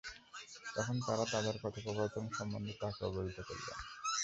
তখন তারা তাদের কথোপকথন সম্বন্ধে তাকে অবহিত করলেন।